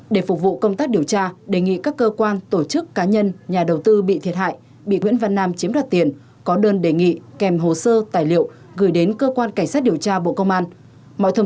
để phục vụ công tác điều tra đề nghị các cơ quan tổ chức cá nhân nhà đầu tư bị thiệt hại bị nguyễn văn nam chiếm đoạt tiền có đơn đề nghị kèm hồ sơ tài liệu gửi đến cơ quan cảnh sát điều tra bộ công an